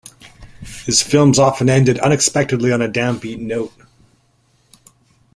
His films often ended unexpectedly on a downbeat note.